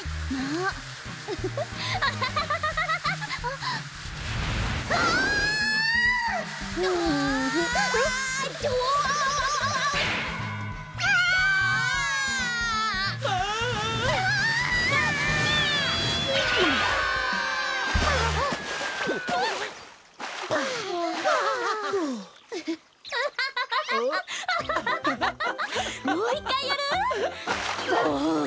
もう１かいやる？